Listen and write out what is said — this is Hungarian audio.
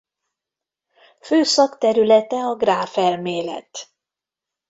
Fő szakterülete a gráfelmélet.